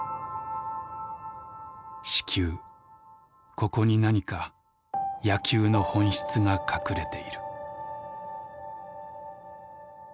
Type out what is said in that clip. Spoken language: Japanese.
ここに何か野球の本質が隠れている」。